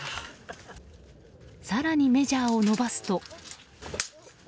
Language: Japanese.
更に、メジャーを伸ばすと。